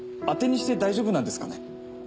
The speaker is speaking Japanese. あてにして大丈夫なんですかね。